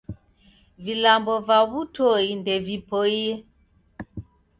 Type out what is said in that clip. Vilambo va w'utoi ndevipoie.